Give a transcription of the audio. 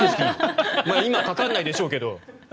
今、かからないでしょうけど。